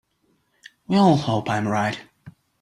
We all hope I am right.